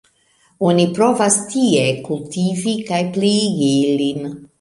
Oni provas tie kultivi kaj pliigi ilin.